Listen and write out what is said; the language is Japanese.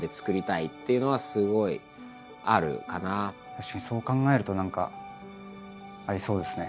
確かにそう考えると何かありそうですね